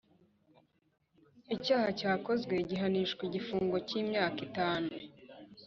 Icyaha cyakozwe gihanishwa igifungo cy’ imyaka itanu